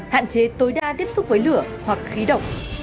hạn chế tối đa tiếp xúc với lửa hoặc khí độc